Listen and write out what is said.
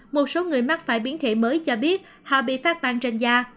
một số người mắc phải biến thể mới cho biết họ bị phát bang trên da